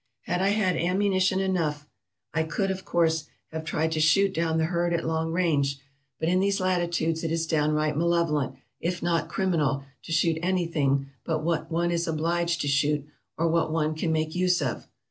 "Had I had ammunition enough, I could, of course, have VOL. VI. 500 TRAVELERS AND EXPLORERS tried to shoot down the herd at long range, but in these latitudes it is downright malevolent, if not criminal, to shoot anything but what one is obliged to shoot, or what one can make use of.